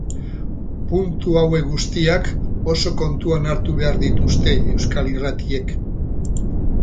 Puntu hauek guztiak oso kontuan hartu behar dituzte euskal irratiek.